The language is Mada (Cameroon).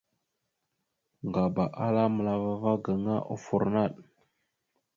Ŋgaba ala məla ava gaŋa offor naɗ.